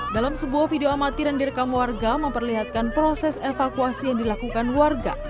dalam sebuah video amatir yang direkam warga memperlihatkan proses evakuasi yang dilakukan warga